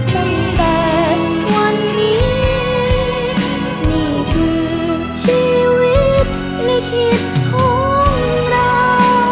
ตั้งแต่วันนี้นี่คือชีวิตในคิดของเรา